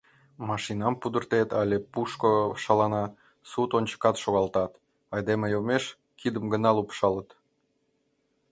Машинам пудыртет але пушко шалана — суд ончыкат шогалтат, айдеме йомеш — кидым гына лупшалыт.